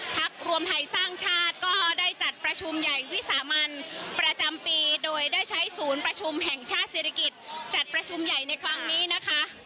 พักรวมไทยสร้างชาติก็ได้จัดประชุมใหญ่วิสามันประจำปีโดยได้ใช้ศูนย์ประชุมแห่งชาติศิริกิจจัดประชุมใหญ่ในครั้งนี้นะคะ